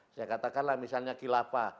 saya katakanlah misalnya kilapa